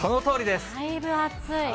だいぶ暑い。